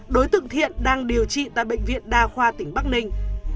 đối tượng thiện đang điều trị tại bệnh viện đa khoa tỉnh bắc ninh